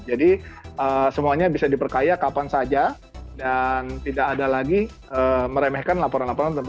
jadi semuanya bisa diperkaya kapan saja dan tidak ada lagi meremehkan laporan laporan tentang penganihan hewan ini begitu